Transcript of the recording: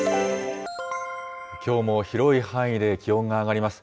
きょうも広い範囲で気温が上がります。